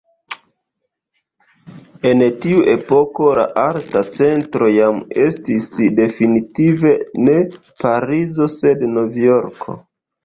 En tiu epoko la arta centro jam estis definitive ne Parizo sed Novjorko.